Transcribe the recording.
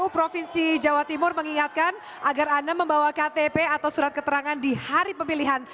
provinsi jawa timur mengingatkan agar anda membawa ktp atau surat keterangan di hari pemilihan